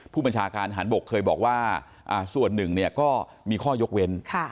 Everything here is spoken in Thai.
ผู้บัญชาการทหารบกเคยบอกว่าส่วนหนึ่งก็มีข้อยกเว้น